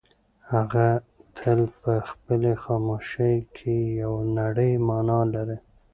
هغه تل په خپلې خاموشۍ کې یوه نړۍ مانا لري.